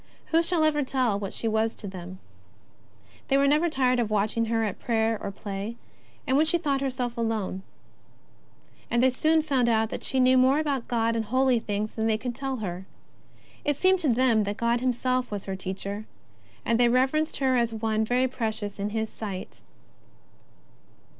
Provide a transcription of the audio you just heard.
Who shall ever tell what she was to them ! They were never tired of watching her at prayer or play, and when she thought herself alone; and they soon found out that she knew more about God and holy things than they could tell her. It seemed to them that God Himself was her Teacher, and they reverenced her as one very precious in His sight.